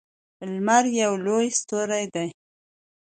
لمر یوه لویه ستوری ده